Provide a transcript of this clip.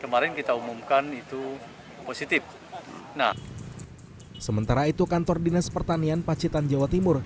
kemarin kita umumkan itu positif nah sementara itu kantor dinas pertanian pacitan jawa timur